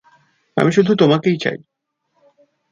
আমি শুধু তোমাকেই চাই।